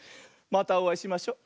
またおあいしましょ。